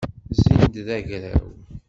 Zzin-d d agraw.